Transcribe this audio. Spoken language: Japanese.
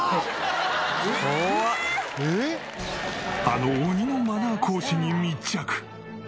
あの鬼のマナー講師に密着。